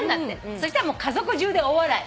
そしたらもう家族中で大笑い。